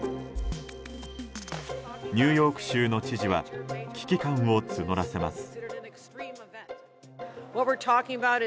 ニューヨーク州の知事は危機感を募らせます。